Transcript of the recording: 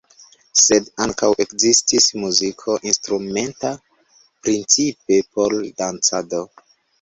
Sed ankaŭ ekzistis muziko instrumenta, principe por dancado.